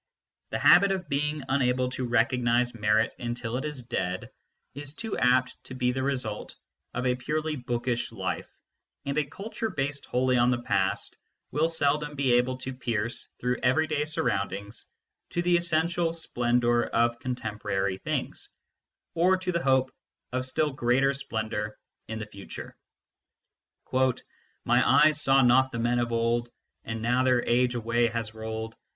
The habit of being unable to recognise merit 36 MYSTICISM AND LOGIC until it is dead is too apt to be the result of a purely bookish life, and a culture based wholly on the past will seldom be able to pierce through everyday surroundings to the essential splendour of contemporary things, or to the hope of still greater splendour in the future. " My eyes saw not the men of old ; And now their age away has rolled.